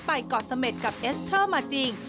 เกาะเสม็ดกับเอสเตอร์มาจริง